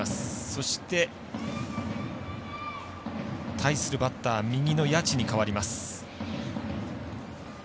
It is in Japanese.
そして、対するバッター右の谷内に代わります。